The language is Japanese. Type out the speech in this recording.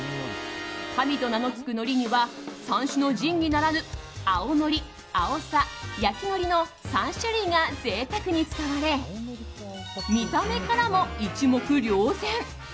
神と名の付くのりには三種の神器ならぬ青のり、あおさ焼きのりの３種類がぜいたくに使われ見た目からも一目瞭然。